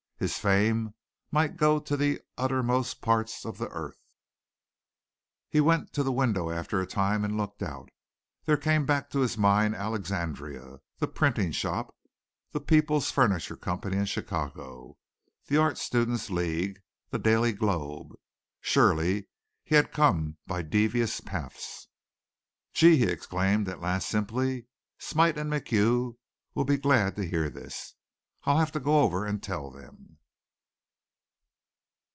His fame might go to the uttermost parts of the earth. He went to the window after a time and looked out. There came back to his mind Alexandria, the printing shop, the Peoples' Furniture Company in Chicago, the Art Students League, the Daily Globe. Surely he had come by devious paths. "Gee!" he exclaimed at last simply. "Smite and MacHugh'll be glad to hear this. I'll have to go over and tell them."